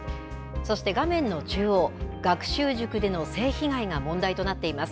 そして画面の中央、学習塾での性被害が問題となっています。